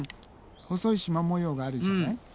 細い縞模様があるじゃない？